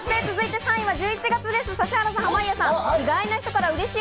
３位は１１月です、指原さんと濱家さん。